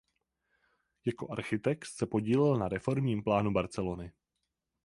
Jako architekt se podílel na reformním plánu Barcelony.